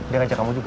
dia ngajak kamu juga